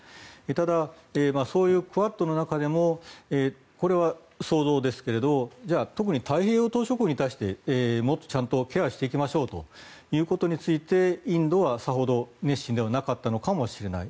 ただ、そういうクアッドの中でもこれは想像ですけどもじゃあ、特に太平洋島しょ国に対してもっとちゃんとケアしていきましょうということについて、インドはさほど熱心ではなかったのかもしれない。